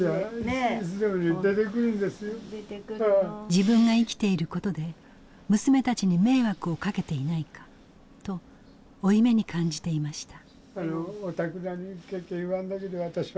自分が生きていることで娘たちに迷惑をかけていないかと負い目に感じていました。